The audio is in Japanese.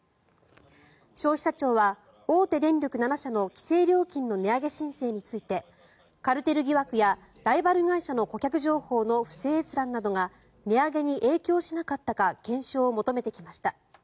消費者庁は、大手電力７社の規制料金の値上げ申請についてカルテル疑惑やライバル会社の顧客情報の不正閲覧などが値上げに影響しなかったか検証を求めてきました。